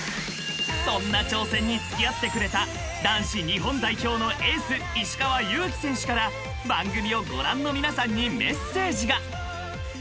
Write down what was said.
［そんな挑戦に付き合ってくれた男子日本代表のエース石川祐希選手から番組をご覧の皆さんにメッセージが］